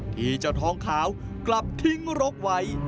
ที่เจ้าทองขาวกลับทิ้งรกไว้